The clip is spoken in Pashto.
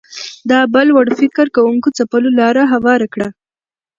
دا بل وړ فکر کوونکو ځپلو لاره هواره کړه